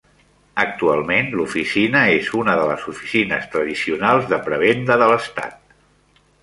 Actualment, l'oficina és una de les oficines tradicionals de prebenda de l'estat.